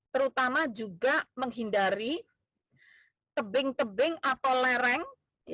terutama juga menghindari tebing tebing atau lereng